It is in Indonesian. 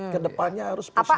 kedepannya harus presiden